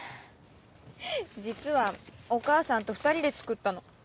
実はお母さんと２人で作ったの。